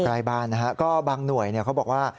ใกล้บ้านนะฮะก็บางหน่วยเขาบอกว่า